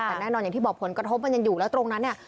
แต่แน่นอนอย่างที่บอกผลกระทบมันยังอยู่แล้วตรงนั้นเนี่ย